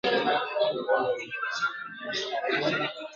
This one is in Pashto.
دا په مرګ ویده اولس دی زه به څوک له خوبه ویښ کړم !.